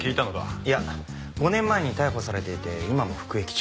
いや５年前に逮捕されていて今も服役中。